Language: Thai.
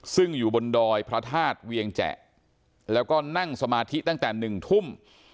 ซึ่งอยู่บนดอยพระธาตุเวียงแจแล้วก็นั่งสมาธิตั้งแต่๑ทุ่ม